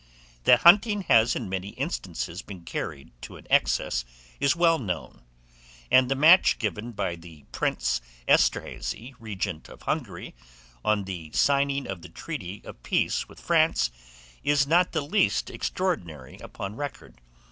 THAT HUNTING HAS IN MANY INSTANCES BEEN CARRIED TO AN EXCESS is well known, and the match given by the Prince Esterhazy, regent of Hungary, on the signing of the treaty of peace with France, is not the least extraordinary upon record.